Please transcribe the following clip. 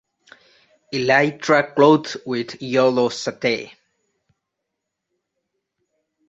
Elytra clothed with yellow setae.